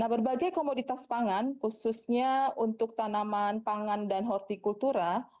nah berbagai komoditas pangan khususnya untuk tanaman pangan dan hortikultura